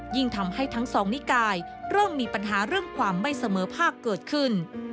ยิ่งทำให้ทั้งสองนิกายเริ่มมีปัญหาเรื่องความไม่เสมอภาคเกิดขึ้น